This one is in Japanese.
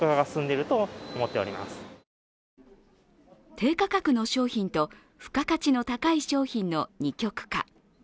低価格の商品と付加価値の高い商品の二極化。